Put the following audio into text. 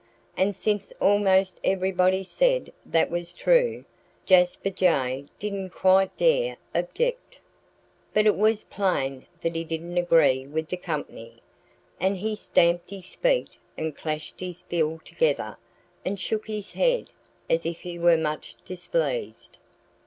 And since almost everybody said that was true, Jasper Jay didn't quite dare object. But it was plain that he didn't agree with the company. And he stamped his feet and clashed his bill together and shook his head as if he were much displeased.